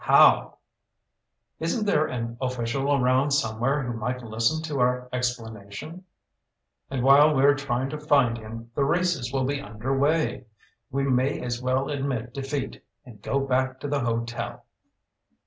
"How?" "Isn't there an official around somewhere who might listen to our explanation?" "And while we're trying to find him the races will be underway. We may as well admit defeat and go back to the hotel."